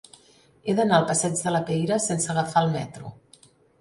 He d'anar al passeig de la Peira sense agafar el metro.